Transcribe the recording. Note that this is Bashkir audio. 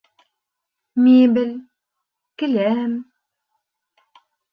Мебель, келәм